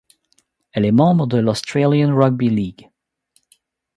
Elle est membre de l'Australian Rugby League.